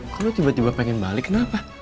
kok lo tiba tiba pengen balik kenapa